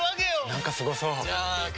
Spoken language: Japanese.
なんかすごそう。